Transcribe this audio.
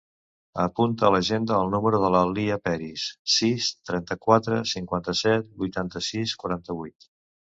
Apunta a l'agenda el número de la Lya Peris: sis, trenta-quatre, cinquanta-set, vuitanta-sis, quaranta-vuit.